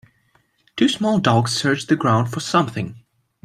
Two small dogs search the ground for something